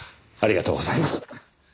ありがとうございます。